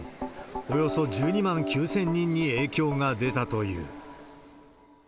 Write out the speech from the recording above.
およそ１２万９０００人に影響が出たという。